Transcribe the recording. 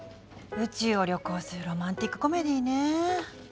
宇宙を旅行するロマンチックコメディーね。